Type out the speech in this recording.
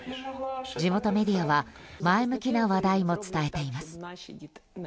地元メディアは前向きな話題も伝えています。